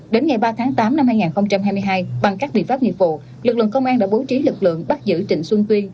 đến ngày ba tháng tám năm hai nghìn hai mươi hai bằng các biện pháp nghiệp vụ lực lượng công an đã bố trí lực lượng bắt giữ trịnh xuân tuyên